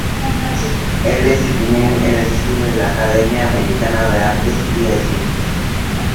Él es un miembro elegido de la academia americana de artes y de ciencias.